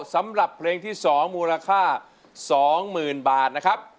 สำหรับเพลงที่๒มูลค่า๒๐๐๐บาทนะครับ